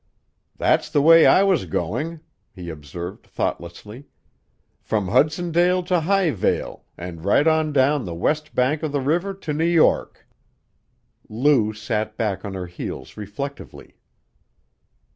"That's the way I was going," he observed thoughtlessly. "From Hudsondale to Highvale, and right on down the west bank of the river to New York." Lou sat back on her heels reflectively.